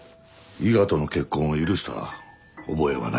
伊賀との結婚を許した覚えはない。